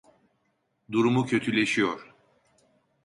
Durumu kötüleşiyor.